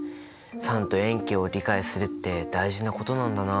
酸と塩基を理解するって大事なことなんだな。